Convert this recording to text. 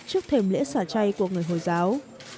trước thềm lễ xả chay của người hồi giáo